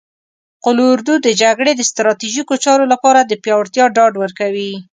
قول اردو د جګړې د ستراتیژیکو چارو لپاره د پیاوړتیا ډاډ ورکوي.